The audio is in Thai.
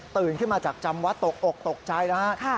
ตื่นขึ้นมาจากจำวัดตกอกตกใจนะฮะ